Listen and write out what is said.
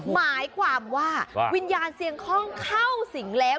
หมายความว่าวิญญาณเสียงคล่องเข้าสิงห์แล้ว